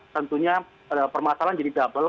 tentunya permasalahan jadi double